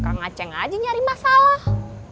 kang aceh aja nyari masalah